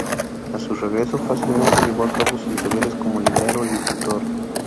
A su regreso, fácilmente llevó a cabo sus deberes como librero y tutor.